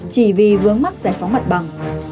chỉ vì vướng mắc giải phóng mặt bằng